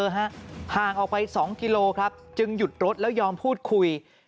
ห่างออกไป๒กิโลครับจึงหยุดรถแล้วยอมพูดคุย